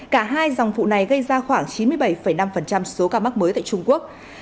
cả hai dòng vụ này gây ra khoảng chín mươi bảy năm số ca mắc mới tại trung quốc